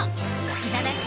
いただき！